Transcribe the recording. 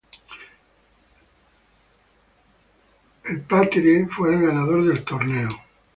El patrie fue el ganador del torneo.